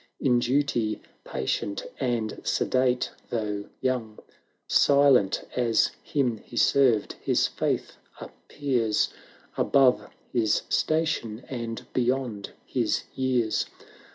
In duty patient, and sedate though young; Silent as him he served, his faith appears Above his station, and beyond his years.